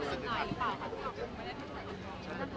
มันเป็นปัญหาจัดการอะไรครับ